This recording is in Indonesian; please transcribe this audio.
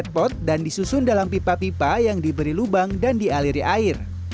kita bisa memprediksi